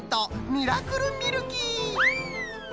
ミラクル・ミルキー！